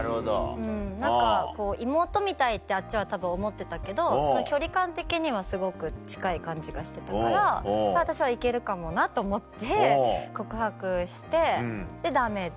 うん何か妹みたいってあっちはたぶん思ってたけど距離感的にはすごく近い感じがしてたから私は行けるかもなと思って告白してでダメで。